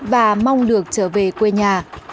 và mong được trở về quê nhà